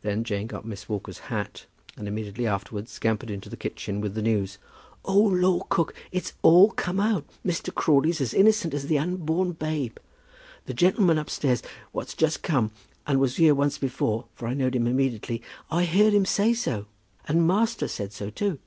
Then Jane got Miss Walker's hat, and immediately afterwards scampered into the kitchen with the news. "Oh, law, cook, it's all come out! Mr. Crawley's as innocent as the unborn babe. The gentleman upstairs what's just come, and was here once before, for I know'd him immediate, I heard him say so. And master said so too."